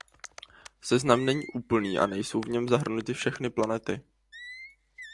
Seznam není úplný a nejsou v něm zahrnuty všechny planety.